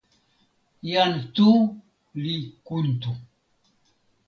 jan Tu li kuntu.